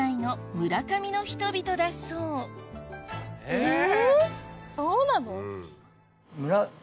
えっ！